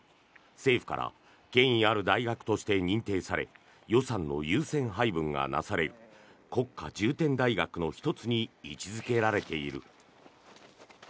政府から権威ある大学として認定され予算の優先配分がなされる国家重点大学の１つに位置付けられている。